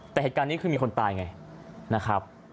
แต่เหตุการณ์นี้คือมีคนตายไงนะครับ